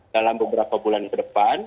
dalam beberapa bulan ke depan